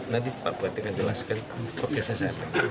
nanti pak buatikan jelaskan progresnya saya